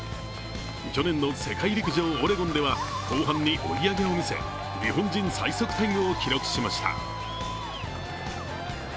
去年の世界陸上オレゴンでは後半に追い上げを見せ日本人最速タイムを記録しました。